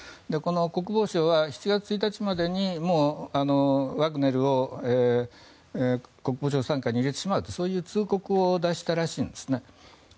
国防省は７月１日までにワグネルを国防省傘下に入れてしまうというそういう通告を出したらしいんですね。